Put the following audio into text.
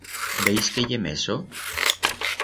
Veis qué i he meso?